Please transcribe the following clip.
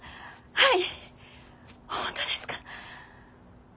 はい！